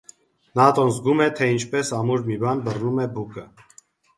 Նատոն զգում է, թե ինչպես ամուր մի բան բռնում է բուկը: